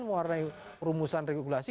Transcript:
memuat naik perumusan regulasi